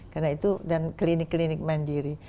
karena itu dan klinik klinik mandiri